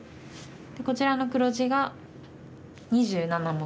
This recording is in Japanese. こちらの黒地が２７目。